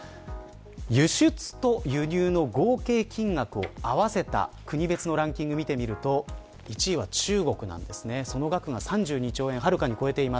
輸出と輸入の合計金額を合わせた国別のランキングを見てみると１位は中国です。